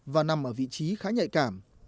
và nằm ở vị trí khá nhạy cảm